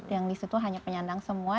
yang disitu hanya penyandang semua